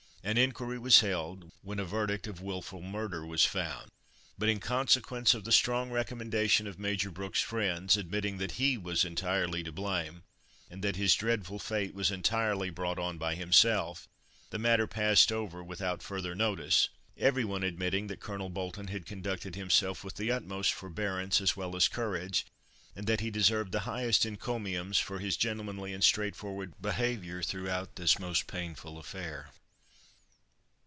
An inquiry was held, when a verdict of wilful murder was found, but in consequence of the strong recommendations of Major Brooks's friends, admitting that he was entirely to blame, and that his dreadful fate was entirely brought on by himself, the matter passed over without further notice, everyone admitting that Colonel Bolton had conducted himself with the utmost forbearance as well as courage, and that he deserved the highest encomiums for his gentlemanly and straightforward behaviour throughout this most painful affair.